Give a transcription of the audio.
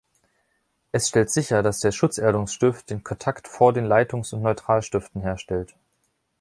Es stellt sicher, dass der Schutzerdungsstift den Kontakt vor den Leitungs- und Neutralstiften herstellt.